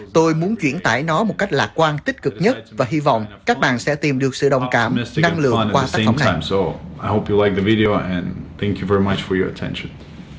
tôi muốn chuyển tải nó một cách lạc quan tích cực nhất và hy vọng các bạn sẽ tìm được sự đồng cảm năng lượng qua sản phẩm này